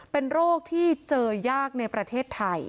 เป็นโรคที่เจอยากในประเทศไทย